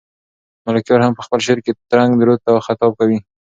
ملکیار هم په خپل شعر کې ترنک رود ته خطاب کوي.